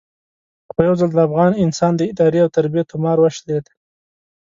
خو یو ځل د افغان انسان د ادارې او تربیې تومار وشلېد.